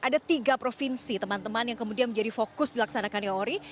ada tiga provinsi teman teman yang kemudian menjadi fokus dilaksanakannya ori